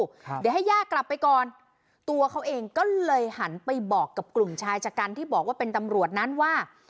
ครับเดี๋ยวให้ย่ากลับไปก่อนตัวเขาเองก็เลยหันไปบอกกับกลุ่มชายชะกันที่บอกว่าเป็นตำรวจนั้นว่า